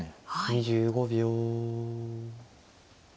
２５秒。